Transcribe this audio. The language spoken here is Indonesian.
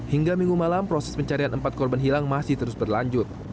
hingga minggu malam proses pencarian empat korban hilang masih terus berlanjut